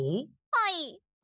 はい。